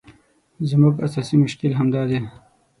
زموږ اساسي مشکل همدا دی.